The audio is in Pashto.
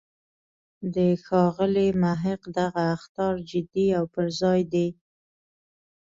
د ښاغلي محق دغه اخطار جدی او پر ځای دی.